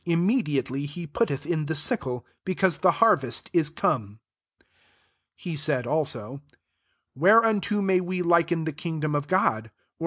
immediately he putteth in the sickle, be caase the harvest is come." 30 He said also, « Whercunto may we liken the kingdom of God ?